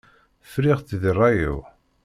Friɣ-tt di ṛṛay-iw.